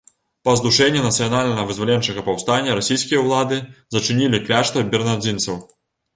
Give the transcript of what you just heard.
Па здушэнні нацыянальна-вызваленчага паўстання расійскія ўлады зачынілі кляштар бернардзінцаў.